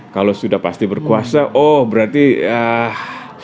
kalau sudah pasti berkuasa oh berarti ya